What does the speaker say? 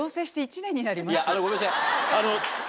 いやあのごめんなさい。